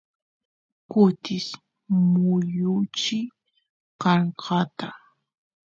kutis muyuchi kankata